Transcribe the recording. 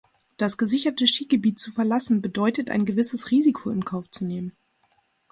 Das gesicherte Skigebiet zu verlassen bedeutet ein gewisses Risiko in Kauf zu nehmen.